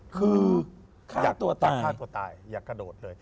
คือกาตัวตาย